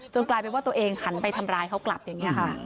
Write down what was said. กลายเป็นว่าตัวเองหันไปทำร้ายเขากลับอย่างนี้ค่ะ